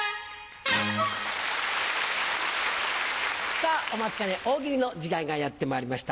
さぁお待ちかね大喜利の時間がやってまいりました。